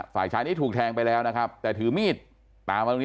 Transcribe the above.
ฝ่ายชายนี้ถูกแทงไปแล้วนะครับแต่ถือมีดตามมาตรงนี้